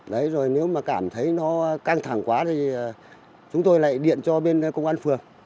đấy rồi nếu mà cảm thấy nó căng thẳng quá thì chúng tôi lại điện cho bên công an phường